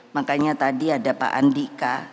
makanya tadi ada pak andika